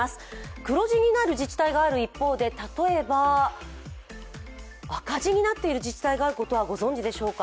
黒字になる自治体がある一方で例えば赤字になっている自治体があることをご存じでしょうか。